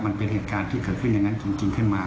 มันเป็นเหตุการณ์ที่เกิดขึ้นอย่างนั้นจริงขึ้นมา